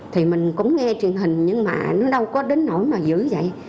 thì mình cũng nghe truyền hình nhưng mà nó đâu có đến nỗi mà dữ vậy